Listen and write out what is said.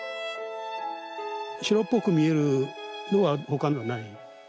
白っぽく見えるのはほかのはない。